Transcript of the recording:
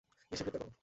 এসে গ্রেপ্তার কর।